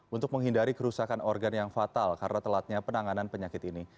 untuk menghindari kerusakan organ yang fatal karena telatnya penanganan penyakit ini